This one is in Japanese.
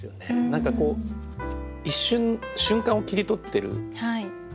何かこう一瞬瞬間を切り取ってるじゃないですか。